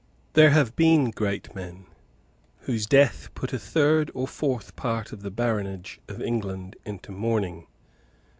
There have been great men whose death put a third or fourth part of the baronage of England into mourning.